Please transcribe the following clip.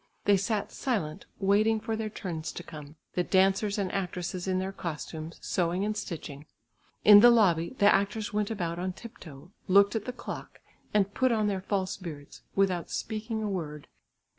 They sat silent waiting for their turns to come; the dancers and actresses in their costumes, sewing and stitching. In the lobby the actors went about on tip toe, looked at the clock and put on their false beards, without speaking a word.